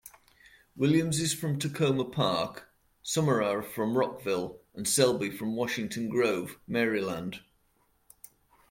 Williams is from Takoma Park, Summerour from Rockville, and Selby from Washington Grove, Maryland.